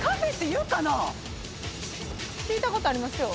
聞いたことありますよ。